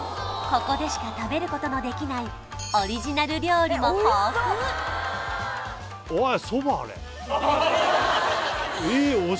ここでしか食べることのできないオリジナル料理も豊富えっ？